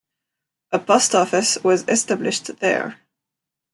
A post office was established there.